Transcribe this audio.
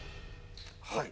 はい。